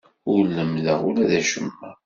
Ur lemmdeɣ ula d acemma.